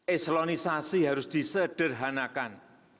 eselonisasi harus disederhanakan